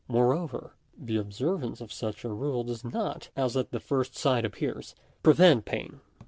Moreover, the observance of such a rule does not, as at first sight appears, prevent pain.